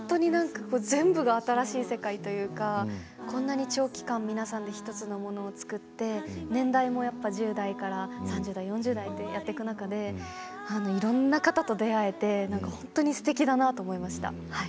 全部が新しい世界というかこんなにも長期間で皆さんで１つのものを作って年代も１０代から３０代、４０代とやっていく中でいろいろな方と出会えてすてきだなと思いました。